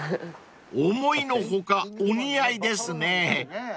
［思いの外お似合いですね］